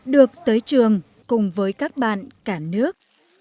được tới trường cùng với các bạn cả nước